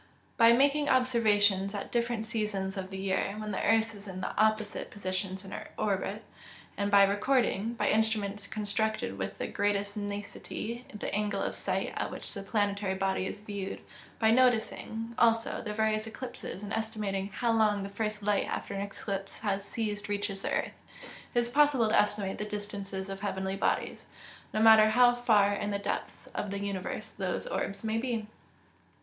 _ By making observations at different seasons of the year, when the earth is in opposite positions in her orbit; and by recording, by instruments constructed with the greatest nicety, the angle of sight, at which the planetary body is viewed; by noticing, also, the various eclipses, and estimating how long the first light after an eclipse has ceased reaches the earth, it is possible to estimate the distances of heavenly bodies, no matter how far in the depths of the universe those orbs may be.